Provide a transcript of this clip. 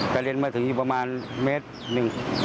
กระเด็นมาถึงอีกประมาณเมตรหนึ่ง